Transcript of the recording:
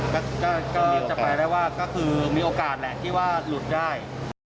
ก็จะไปได้ว่าก็คือมีโอกาสแหละที่ว่าหลุดได้